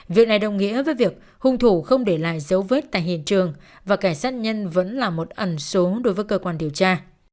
việc này đồng nghĩa với việc hung thủ không để lại dấu vết tại hiện trường và kẻ sát nhân vẫn là một ẩn số đối với cơ quan điều tra